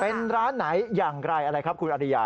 เป็นร้านไหนอย่างไรอะไรครับคุณอริยา